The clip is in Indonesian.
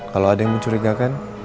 kalau ada yang mencurigakan